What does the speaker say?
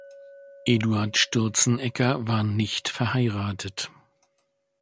Eduard Sturzenegger war nicht verheiratet.